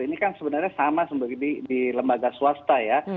ini kan sebenarnya sama di lembaga swasta ya